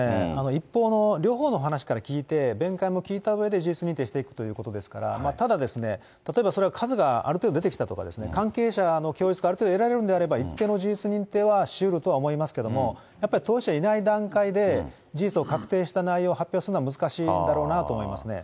一方の、両方の話から聞いて、弁解も聞いたうえで、事実認定していくということですから、ただですね、例えばそれは数がある程度出てきたとかですね、関係者の供述がある程度得られるんであれば、一定の事実認定はしうるとは思いますけれども、当事者がいない段階で、事実を確定した内容を発表するのは難しいだろうなと思いますね。